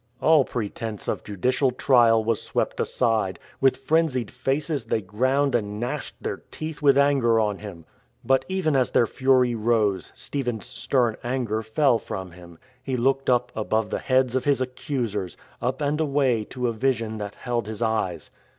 All pretence of judicial trial was swept aside. With frenzied faces they ground and gnashed their teeth with anger on him. But, even as their fury rose, Stephen's stern anger fell from him. He looked up above the heads of his accusers, up and away to a vision that held his eyes.